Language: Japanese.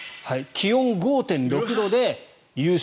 気温５．６度で優勝。